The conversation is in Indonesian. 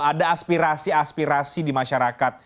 ada aspirasi aspirasi di masyarakat